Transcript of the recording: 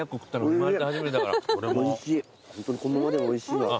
おいしい。